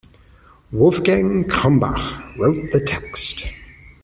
Wolfgang Krumbach wrote the text.